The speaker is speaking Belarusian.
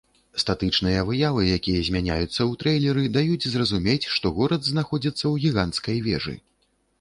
Статычныя выявы, якія змяняюцца ў трэйлеры даюць зразумець, што горад знаходзіцца ў гіганцкай вежы.